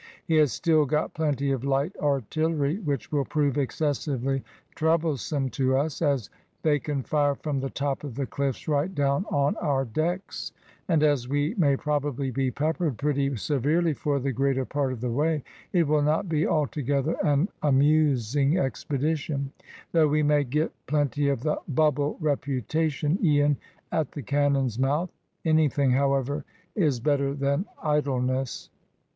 He has still got plenty of light artillery, which will prove excessively troublesome to us, as they can fire from the top of the cliffs right down on our decks, and, as we may probably be peppered pretty severely for the greater part of the way, it will not be altogether an amusing expedition, though we may get plenty `of the bubble reputation, e'en at the cannon's mouth.' Anything, however, is better than idleness."